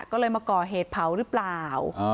ก็เลยมาก่อเหตุเผารึเปล่าอ๋อ